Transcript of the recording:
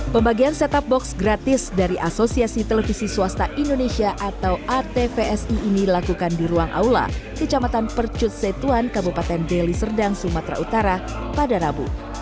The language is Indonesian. pembagian set top box gratis dari asosiasi televisi swasta indonesia atau atvsi ini dilakukan di ruang aula kecamatan percut setuan kabupaten deli serdang sumatera utara pada rabu